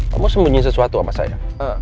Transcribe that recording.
kamu sembunyi sesuatu sama saya